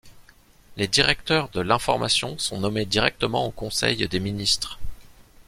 Les directeurs de l'information sont nommés directement en Conseil des ministres.